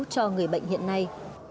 cho người bệnh hiện nay